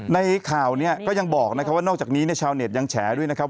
ในข่าวเนี่ยก็ยังบอกนะครับว่านอกจากนี้ชาวเน็ตยังแฉด้วยนะครับ